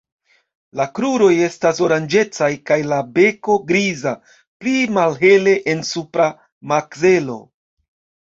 La kruroj estas oranĝecaj kaj la beko griza, pli malhele en supra makzelo.